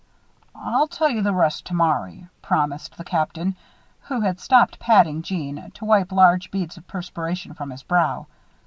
"I'll tell you the rest tomorry," promised the Captain, who had stopped patting Jeanne, to wipe large beads of perspiration from his brow.